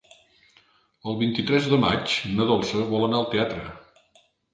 El vint-i-tres de maig na Dolça vol anar al teatre.